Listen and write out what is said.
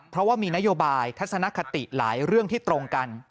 เพราะว่ามีนโยบายทัศนคติหลายเรื่องที่ตรงกัน